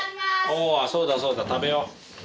おぉそうだそうだ食べよう！